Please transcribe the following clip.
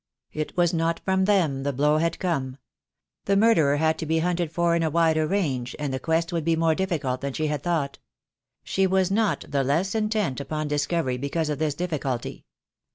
It was not from them the blow had come. The murderer had to be hunted for in a wider range, and the quest would be more difficult than she had thought. She was not the less intent upon discovery be cause of this difficulty.